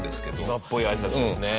今っぽい挨拶ですね。